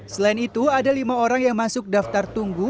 selain itu ada lima orang yang masuk daftar tunggu